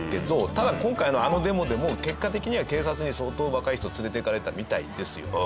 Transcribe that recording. ただ今回のあのデモでも結果的には警察に相当若い人連れて行かれたみたいですよ。